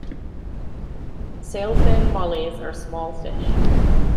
Sailfin mollies are small fish.